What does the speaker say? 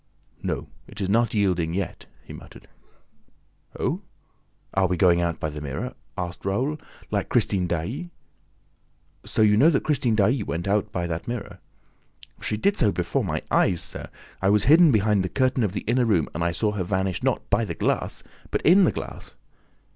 "No, it is not yielding yet," he muttered. "Oh, are we going out by the mirror?" asked Raoul. "Like Christine Daae." "So you knew that Christine Daae went out by that mirror?" "She did so before my eyes, sir! I was hidden behind the curtain of the inner room and I saw her vanish not by the glass, but in the glass!"